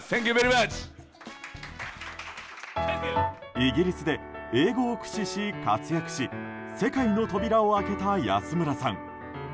イギリスで英語を駆使し活躍し世界の扉を開けた安村さん。